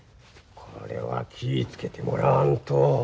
これは気ぃ付けてもらわんと。